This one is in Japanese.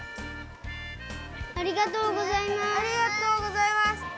ありがとうございます。